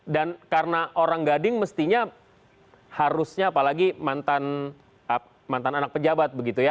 karena orang gading mestinya harusnya apalagi mantan anak pejabat begitu ya